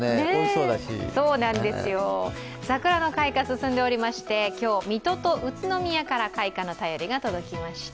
そうなんですよ、桜の開花進んでおりまして今日、水戸と宇都宮から開花の便りが届きました。